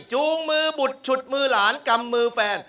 จูงมือบุดฉุดมือหลานกำมือแฟน